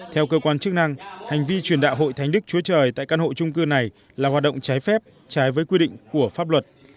theo cơ quan chức năng hành vi truyền đạo hội thánh đức chúa trời tại căn hộ trung cư này là hoạt động trái phép trái với quy định của pháp luật